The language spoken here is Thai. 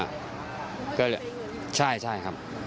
มันหลุดเห็นเหรอครับใช่ครับ